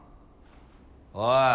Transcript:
おい。